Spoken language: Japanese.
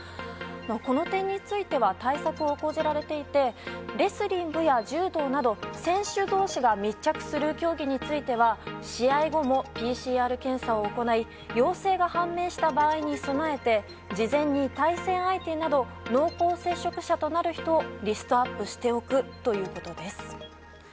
この点については対策を講じられていてレスリングや柔道など選手同士が密着する競技については試合後もＰＣＲ検査を行い陽性が判明した場合に備えて事前に対戦相手など濃厚接触者となる人をリストアップしておくということです。